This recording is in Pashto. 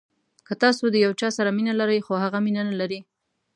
که تاسو د یو چا سره مینه لرئ خو هغه مینه نلري.